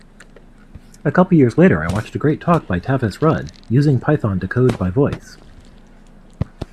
A couple years later I watched a great talk by Tavis Rudd, Using Python to Code by Voice.